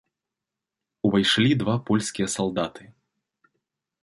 Увайшлі два польскія салдаты.